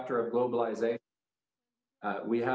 terutama di bagian kita